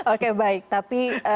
oke baik tapi